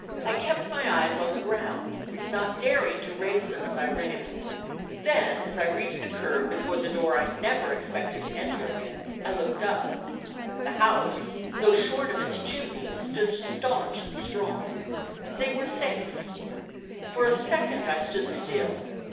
I kept my eyes on the ground, not daring to raise them as I ran. Then as I reached the curb before the door I never expected to enter again I looked up. The house, though shorn of its chimneys, stood staunch and strong they were safe. For a second I stood still.